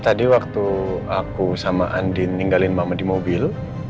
tadi waktu aku sama andin ninggalin mama di mobil